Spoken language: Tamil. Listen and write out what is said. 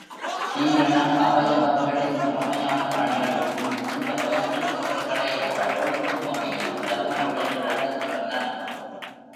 சீரண அவயவங்களின் திறமையான பணிகளுக்கும், இந்த வயிற்றுத் தசைகளே வாழ்வளிக்கும் வகையில் வலிமையுடன் விளங்குகின்றன.